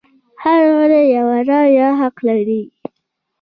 هر غړی یوه رایه حق لري.